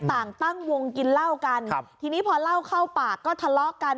ตั้งวงกินเหล้ากันครับทีนี้พอเล่าเข้าปากก็ทะเลาะกัน